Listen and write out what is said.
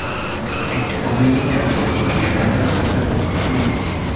একটা কমেডি ম্যারাথনের জন্য সারা রাত জাগার প্রস্তুতি নিচ্ছি।